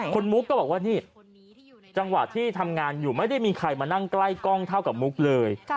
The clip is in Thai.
คุณมุกก็บอกว่านี่จังหวะที่ทำงานอยู่ไม่ได้มีใครมานั่งใกล้กล้องเท่ากับมุกเลย